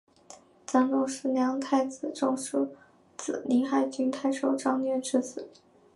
张种是梁太子中庶子临海郡太守张略之子。